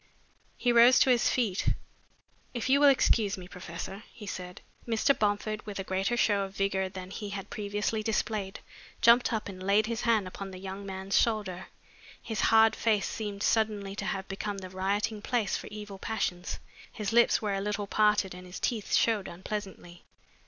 He rose to his feet. "If you will excuse me, professor," he said. Mr. Bomford, with a greater show of vigor than he had previously displayed, jumped up and laid his hand upon the young man's shoulder. His hard face seemed suddenly to have become the rioting place for evil passions. His lips were a little parted and his teeth showed unpleasantly.